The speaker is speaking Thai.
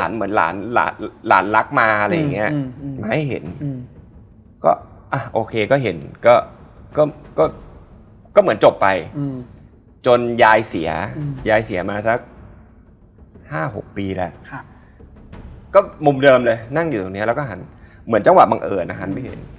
อันนี้ก็เป็นข้อไฟล์ไฟล์บังคับเหมือนกัน